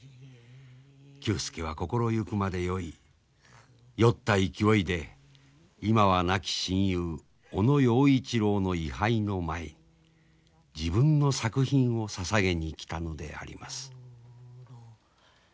久助は心ゆくまで酔い酔った勢いで今は亡き親友小野陽一郎の位牌の前に自分の作品をささげに来たのであります。